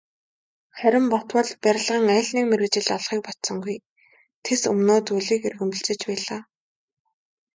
Харин Батболд барилгын аль нэг мэргэжил олохыг бодсонгүй, тэс өмнөө зүйлийг эрмэлзэж байлаа.